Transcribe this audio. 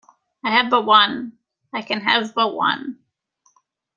I have but one; I can have but one.